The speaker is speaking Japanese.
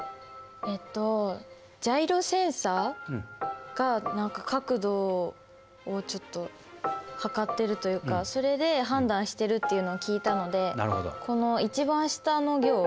えっとジャイロセンサが何か角度をちょっと測ってるというかそれで判断してるっていうのを聞いたのでこの一番下の行。